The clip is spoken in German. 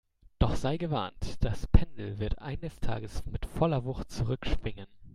Doch sei gewarnt, das Pendel wird eines Tages mit voller Wucht zurückschwingen